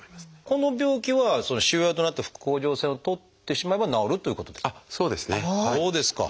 この病気は腫瘍となった副甲状腺を取ってしまえば治るということですか？